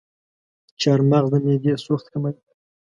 چارمغز د معدې سوخت کموي.